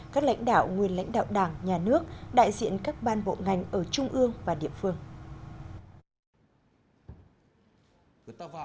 các lãnh đạo nguyên lãnh đạo đảng nhà nước đại diện các ban bộ ngành ở trung ương và địa phương